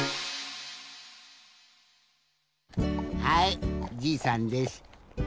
はいじいさんです。